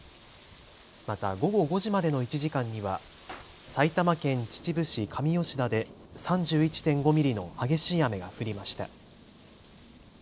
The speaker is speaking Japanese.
また午後５時までの１時間には埼玉県秩父市上吉田で３１．５ミリの激しい雨が降りました。